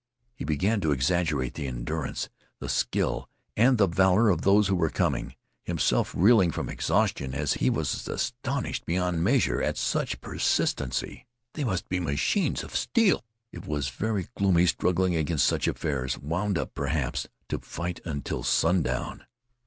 He began to exaggerate the endurance, the skill, and the valor of those who were coming. Himself reeling from exhaustion, he was astonished beyond measure at such persistency. They must be machines of steel. It was very gloomy struggling against such affairs, wound up perhaps to fight until sundown.